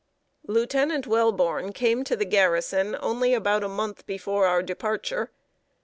Lieutenant Welborn came to the garrison only about a month before our departure.